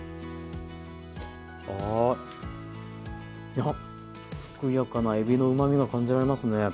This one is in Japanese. やっふくよかなえびのうまみが感じられますね。